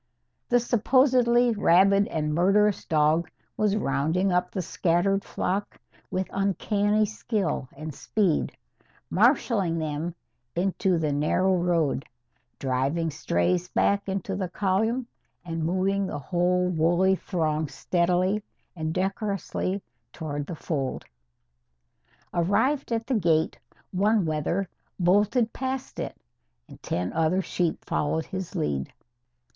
The supposedly rabid and murderous dog was rounding up the scattered flock with uncanny skill and speed, marshalling them into the narrow road, driving strays back into the column and moving the whole woolly throng steadily and decorously toward the fold. Arrived at the gate, one wether bolted past it, and ten other sheep followed his lead.